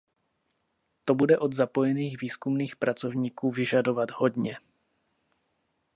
To bude od zapojených výzkumných pracovníků vyžadovat hodně.